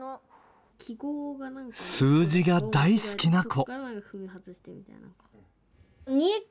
数字が大好きな子。